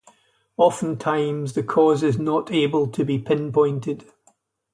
Oftentimes, the cause is not able to be pinpointed.